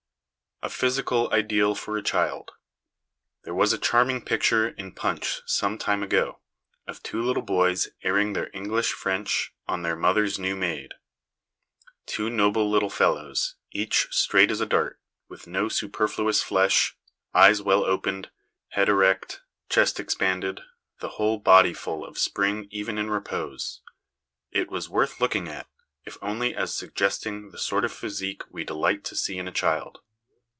A Physical Ideal for a Child. There was a charming picture in Punch some time ago, of two little boys airing their English French on their mother's new maid ; two noble little fellows, each straight as a dart, with no superfluous flesh, eyes well opened, head erect, chest expanded, the whole body full of spring even in repose. It was worth looking at, if only as suggesting the sort of physique we delight to see in a child.